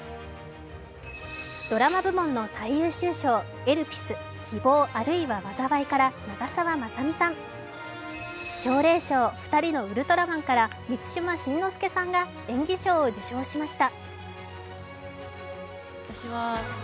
ドラマ部門の最優秀賞「エルピス−希望、あるいは災い−」から長澤まさみさん、奨励賞「ふたりのウルトラマン」から満島真之介さんが演技賞を受賞しました。